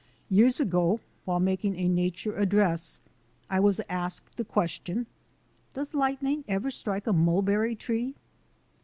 Years ago, while making a nature address, I was asked the question: "Does lightning ever strike a mulberry tree?"